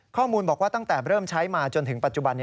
ข้อมูลบอกว่าตั้งแต่เริ่มใช้มาจนถึงปัจจุบัน